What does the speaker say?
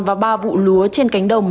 và ba vụ lúa trên cánh đồng